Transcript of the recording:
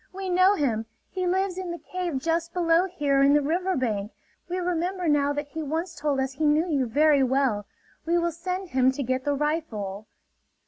We know him! He lives in the cave just below here in the river bank. We remember now that he once told us he knew you very well. We will send him to get the rifle."